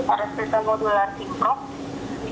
rsvp modular simprok